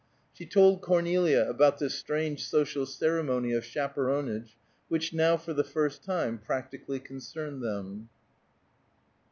She told Cornelia about this strange social ceremony of chaperonage, which now for the first time practically concerned them.